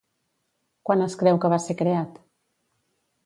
Quan es creu que va ser creat?